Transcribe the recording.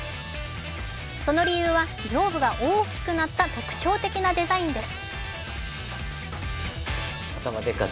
その理由は上部が大きくなった特徴的なデザインです。